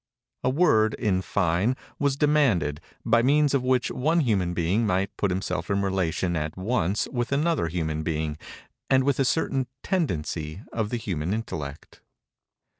A word, in fine, was demanded, by means of which one human being might put himself in relation at once with another human being and with a certain tendency of the human intellect.